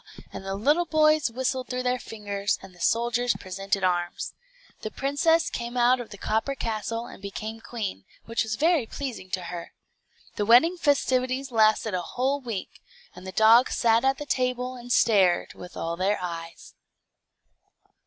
and the little boys whistled through their fingers, and the soldiers presented arms. The princess came out of the copper castle, and became queen, which was very pleasing to her. The wedding festivities lasted a whole week, and the dogs sat at the table, and stared with all their eyes.